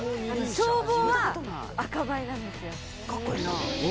消防は赤バイなんですよ。